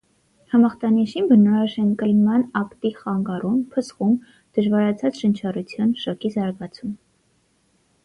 Համախտանիշին բնորոշ են կլլման ակտի խանգարում, փսխում, դժվարացած շնչառություն, շոկի զարգացում։